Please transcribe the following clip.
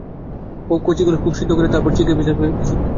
কচি কলাইশুঁটি খুব সিদ্ধ করে, তারপর তাকে পিষে জলের সঙ্গে মিশিয়ে ফেল।